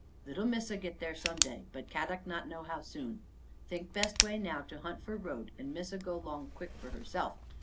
" Little Missa get there some day, but Kadok not know how soon. Think best way now to hunt for road and Missa go long quick for her self.